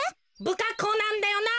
ぶかっこうなんだよな。